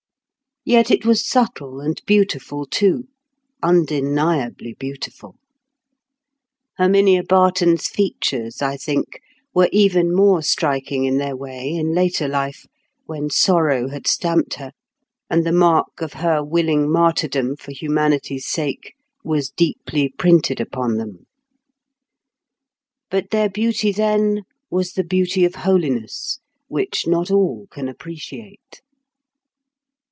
Yet it was subtle and beautiful too, undeniably beautiful. Herminia Barton's features, I think, were even more striking in their way in later life, when sorrow had stamped her, and the mark of her willing martyrdom for humanity's sake was deeply printed upon them. But their beauty then was the beauty of holiness, which not all can appreciate.